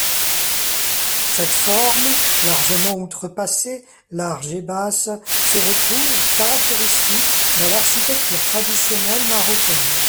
Cette forme, largement outrepassée, large et basse, se retrouve, caractéristique, dans l'architecture traditionnelle marocaine.